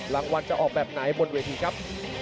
รางวัลจะออกแบบไหนบนเวทีครับ